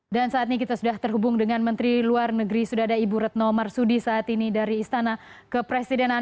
dan saat ini kita sudah terhubung dengan menteri luar negeri sudada ibu retno marsudi saat ini dari istana kepresidenan